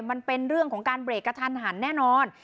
มันเป็นเรื่องของการเบรกกระทันหันแน่นอน